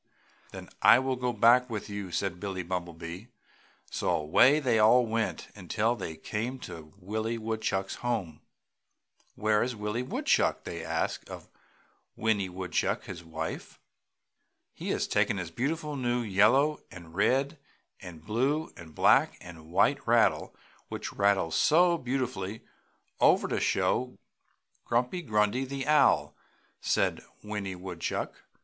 "Then I will go back with you!" said Billie Bumblebee, so away they all went until they came to Willie Woodchuck's home. "Where is Willie Woodchuck?" they asked of Winnie Woodchuck, his wife. "He has taken his beautiful new yellow and red and blue and black and white rattle, which rattles so beautifully, over to show to Grumpy Grundy, the Owl!" said Winnie Woodchuck.